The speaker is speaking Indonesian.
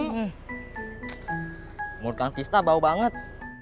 umur kang tista bau banget